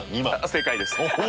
正解です。